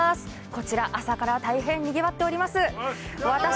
こちら、朝から大変にぎわっております。